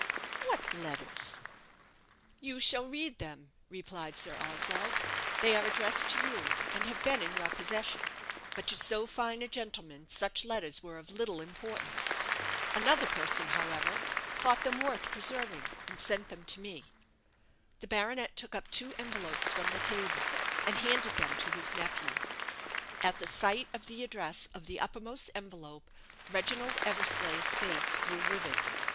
"What letters?" "You shall read them," replied Sir Oswald. "They are addressed to you, and have been in your possession; but to so fine a gentleman such letters were of little importance. Another person, however, thought them worth preserving, and sent them to me." The baronet took up two envelopes from the table, and handed them to his nephew. At the sight of the address of the uppermost envelope, Reginald Eversleigh's face grew livid.